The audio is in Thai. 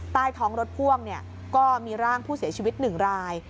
ใต้ท้องรถพ่วงก็มีร่างผู้เสียชีวิต๑ราย